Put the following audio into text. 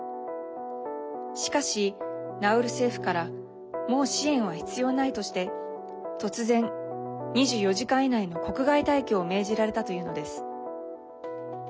しかし、ナウル政府からもう支援は必要ないとして突然、２４時間以内の国外退去を命じられたというのです。